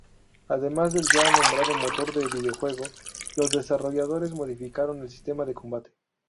Además del ya nombrado motor de videojuego, los desarrolladores modificaron el sistema de combate.